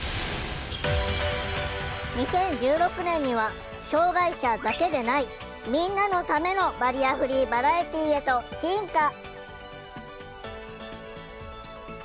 ２０１６年には障害者だけでない「みんなのためのバリアフリーバラエティー」へと進化。